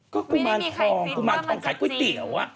ก็กุมารทองขายก๋วยเตี๋ยวอ่ะ